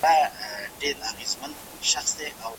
میندي به د زیږون پرمهال خوندي وي؟